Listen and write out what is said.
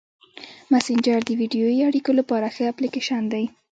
مسېنجر د ویډیويي اړیکو لپاره ښه اپلیکیشن دی.